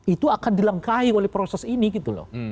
itu akan dilangkahi oleh proses ini gitu loh